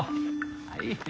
はい。